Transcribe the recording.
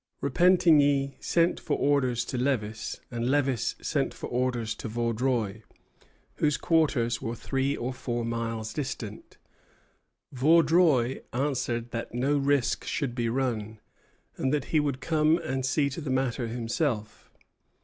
Repentigny sent for orders to Lévis, and Lévis sent for orders to Vaudreuil, whose quarters were three or four miles distant. Vaudreuil answered that no risk should be run, and that he would come and see to the matter himself.